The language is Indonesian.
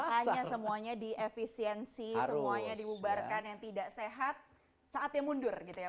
makanya semuanya diefisiensi semuanya diubarkan yang tidak sehat saatnya mundur gitu ya pak ya